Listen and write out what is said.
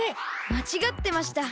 まちがってました。